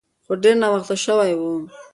خو ډیر ناوخته شوی و.